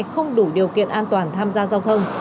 không đủ điều kiện an toàn tham gia giao thông